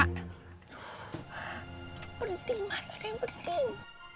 aduh penting banget yang penting